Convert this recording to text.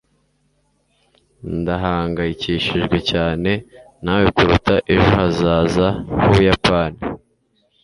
Ndahangayikishijwe cyane nawe kuruta ejo hazaza h'Ubuyapani.